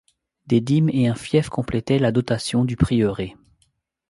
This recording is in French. Des dîmes et un fief complétaient la dotation du prieuré.